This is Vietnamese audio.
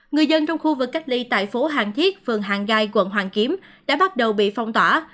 người dân trong khu vực cách ly tại phố hàng thiết phường hàng gai quận hoàn kiếm đã bắt đầu bị phong tỏa